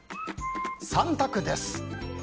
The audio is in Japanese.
３択です。